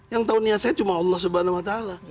yang tahu niat saya cuma allah swt